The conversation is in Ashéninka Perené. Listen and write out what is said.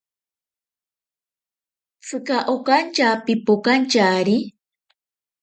Tsika okantya pipokantyari.